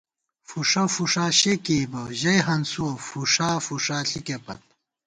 فُݭہ فُݭا شے کېئیبہ ، ژَئی ہنسُوَہ فُݭا فُݭا ݪِکے پت